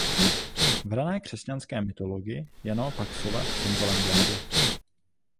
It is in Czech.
V rané křesťanské mytologii je naopak sova symbolem ďábla.